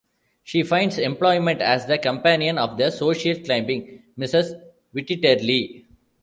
She finds employment as the companion of the social-climbing Mrs Wittiterly.